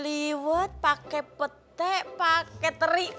lihat mungkin dia orang ini